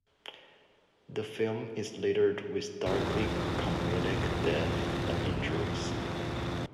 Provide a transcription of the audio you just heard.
The film is littered with darkly comedic deaths and injuries.